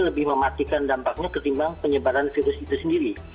lebih mematikan dampaknya ketimbang penyebaran virus itu sendiri